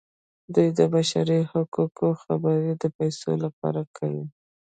دوی د بشري حقونو خبرې د پیسو لپاره کوي.